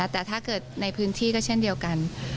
แต่ถ้าเกิดในพื้นที่ก็เช่นเดียวกัน